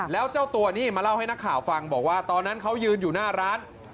แล้วเจ้าตัวนี่มาเล่าให้นักข่าวฟังบอกว่าตอนนั้นเขายืนอยู่หน้าร้าน